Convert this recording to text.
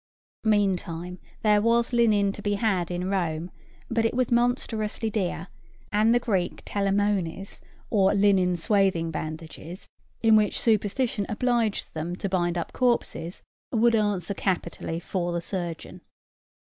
Meantime, there was linen to be had in Rome; but it was monstrously dear; and the [Greek: telamones] or linen swathing bandages, in which superstition obliged them to bind up corpses, would answer capitally for the surgeon.